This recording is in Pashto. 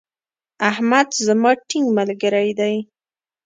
احمد زما ټينګ ملګری دی.